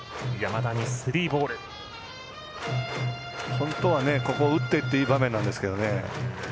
本当は、ここ打っていっていい場面なんですけどね。